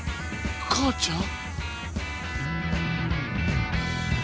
母ちゃん？